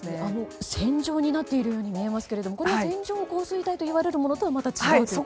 線状になっているように見えますがこれは線状降水帯といわれるものとは違いますか？